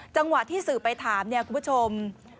จังหวะที่สื่อไปถามเนี่ยคุณผู้ชม